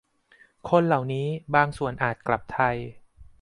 คนเหล่านี้บางส่วนอาจกลับไทย